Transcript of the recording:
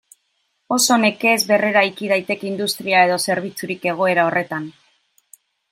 Oso nekez berreraiki daiteke industria edo zerbitzurik egoera horretan.